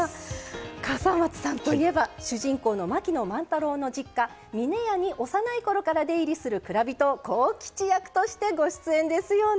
笠松さんといえば主人公の槙野万太郎の実家峰屋に幼い頃から出入りする蔵人・幸吉役としてご出演ですよね。